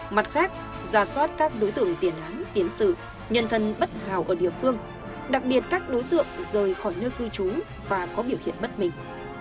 mặt khác ra soát các đối tượng tiền án tiền sự nhân thân bất hào ở địa phương đặc biệt các đối tượng rời khỏi nơi cư trú và có biểu hiện bất minh